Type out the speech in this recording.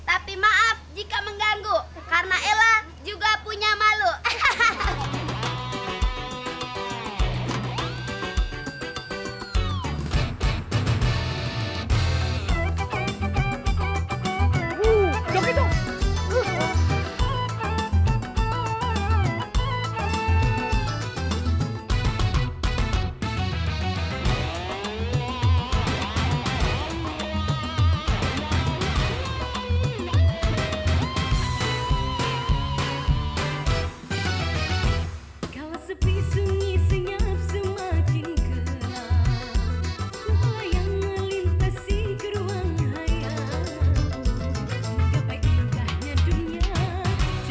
assalamu'alaikum warahmatullahi wabarakatuh